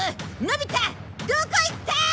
のび太どこ行った！